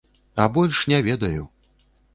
А больш не ведаю.